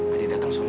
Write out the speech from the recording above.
adik datang soalnya